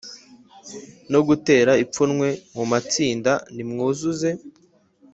no gutera ipfunwe Mu matsinda nimwuzuze